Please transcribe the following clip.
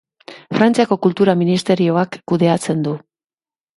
Frantziako Kultura Ministerioak kudeatzen du.